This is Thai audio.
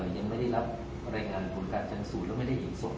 ยังไม่ได้รับรายงานบนการจำสูตรและไม่ได้ยิงสวน